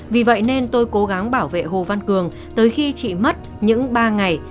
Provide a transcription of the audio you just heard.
vì vậy nên tôi cố gắng bảo vệ hồ văn cường tới khi chị mất những ba ngày